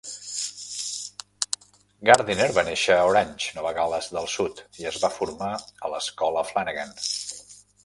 Gardiner va néixer a Orange, Nova Gal·les del Sud i es va formar a l'escola Flanagan.